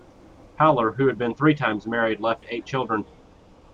Haller, who had been three times married, left eight children.